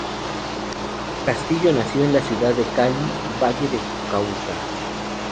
Castillo nació en la ciudad de Cali, Valle del Cauca.